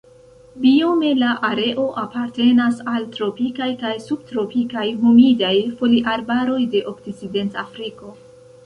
Biome la areo apartenas al tropikaj kaj subtropikaj humidaj foliarbaroj de Okcidentafriko.